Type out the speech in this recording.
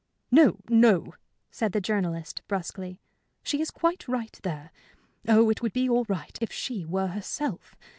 "No, no," said the journalist, brusquely. "She is quite right there. Oh, it would be all right if she were herself.